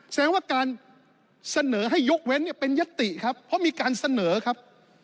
แสดงว่าการเสนอให้ยกเว้นเนี่ยเป็นยัตติครับเพราะมีการเสนอครับ